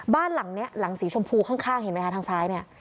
บ้านหลังนี้หลังสีชมพูข้างเห็นไหมคะทางซ้ายเนี่ย